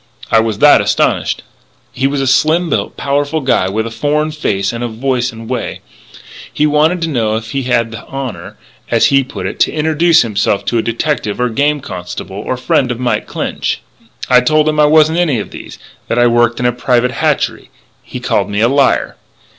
I was that astonished. "He was a slim built, powerful guy with a foreign face and voice and way. He wanted to know if he had the honour as he put it to introduce himself to a detective or game constable, or a friend of Mike Clinch. "I told him I wasn't any of these, and that I worked in a private hatchery; and he called me a liar."